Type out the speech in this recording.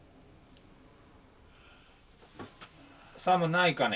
寒ないかね。